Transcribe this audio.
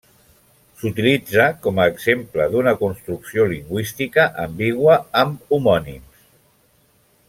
S'utilitza com a exemple d'una construcció lingüística ambigua amb homònims.